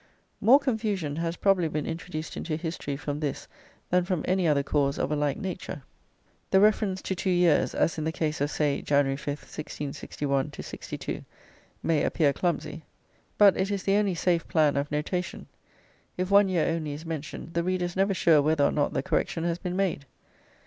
More confusion has probably been introduced into history from this than from any other cause of a like nature. The reference to two years, as in the case of, say, Jan. 5, 1661 62, may appear clumsy, but it is the only safe plan of notation. If one year only is mentioned, the reader is never sure whether or not the correction has been made.